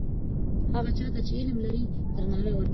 هغه چا ته چې علم لري درناوی وکړئ.